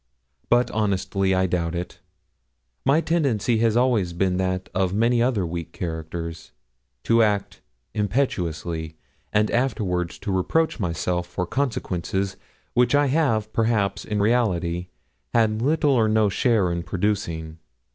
But, honestly, I doubt it; my tendency has always been that of many other weak characters, to act impetuously, and afterwards to reproach myself for consequences which I have, perhaps, in reality, had little or no share in producing.